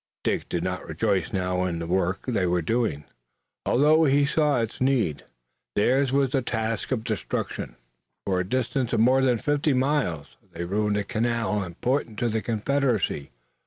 Dick did not rejoice now in the work they were doing, although he saw its need. Theirs was a task of destruction. For a distance of more than fifty miles they ruined a canal important to the Confederacy.